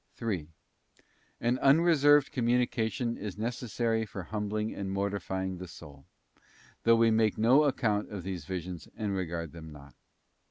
3. An unreserved communication is necessary for humbling and mortifying the soul, though we make no account of these visions, and regard them not.